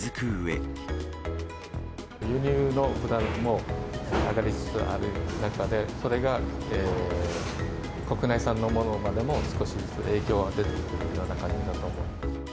輸入の豚肉も上がりつつある中で、それが国内産のものまでも、少し影響が出ているような感じだと思います。